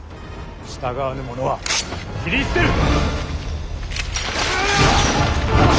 従わぬ者は斬り捨てる！